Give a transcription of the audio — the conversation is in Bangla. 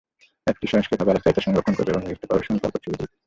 অ্যাপস স্বয়ংক্রিয়ভাবে আলাপচারিতা সংরক্ষণ করবে এবং নির্দিষ্ট সময় পরপর ছবি তুলবে।